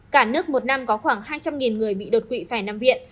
cả nước một năm có khoảng hai trăm linh người bị đột quỵ phải nằm viện